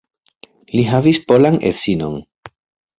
Li havis polan edzinon.